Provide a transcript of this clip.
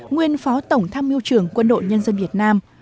nguyên phó tổng tham mưu trưởng quân đội nhân dân việt nam